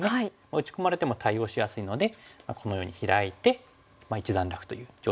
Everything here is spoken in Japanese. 打ち込まれても対応しやすいのでこのようにヒラいてまあ一段落という定石があるんですよね。